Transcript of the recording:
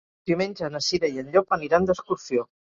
Diumenge na Cira i en Llop aniran d'excursió.